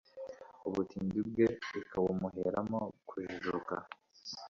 ubutindi bwe, ikabumuheramo kujijuka